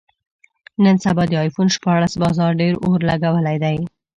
نن سبا د ایفون شپاړس بازار ډېر اور لګولی دی.